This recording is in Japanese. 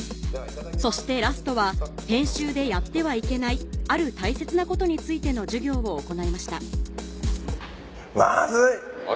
そしてラストは編集でやってはいけないある大切なことについての授業を行いましたマズい！